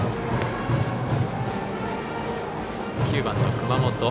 ９番の熊本。